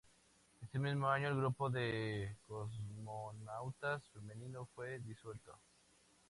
Ese mismo año, el grupo de cosmonautas femenino fue disuelto.